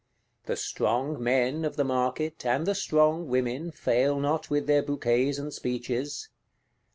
The Strong Men of the Market, and the Strong Women, fail not with their bouquets and speeches.